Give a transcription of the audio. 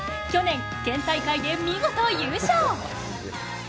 去年、県大会で見事優勝。